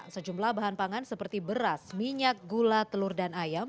sejumlah bahan pangan seperti beras minyak gula telur dan ayam